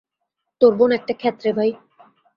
তোর বোন একটা ক্ষ্যাত রে, ভাই।